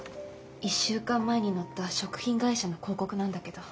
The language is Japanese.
１週間前に載った食品会社の広告なんだけど。